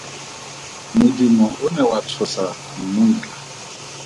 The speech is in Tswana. Modumo o ne wa tsosa mmutla.